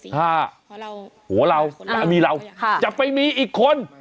มาคุยกันสิเพราะเราหัวเรามีเราจะไปมีอีกคน